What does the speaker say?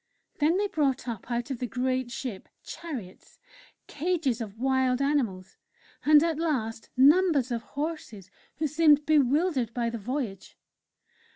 Then they brought up out of the ship great chariots, cages of wild animals, and at last numbers of horses, who seemed bewildered by the voyage.